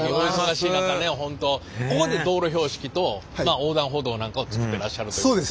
ここで道路標識と横断歩道なんかを作ってらっしゃるということで。